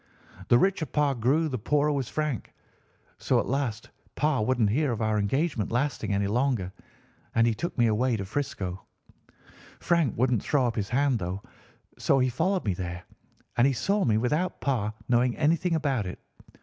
The richer Pa grew the poorer was Frank; so at last Pa wouldn't hear of our engagement lasting any longer, and he took me away to 'Frisco. Frank wouldn't throw up his hand, though; so he followed me there, and he saw me without Pa knowing anything about it.